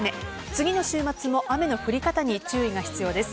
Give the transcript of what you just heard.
次の週末も雨の降り方に注意が必要です。